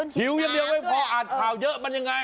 หิวเยอะเยอะเพราะอาจขาวเยอะมันยังไง